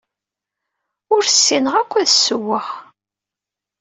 Ur ssineɣ akk ad ssewweɣ.